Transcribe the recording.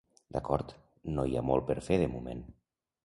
D'acord, no hi ha molt per fer de moment.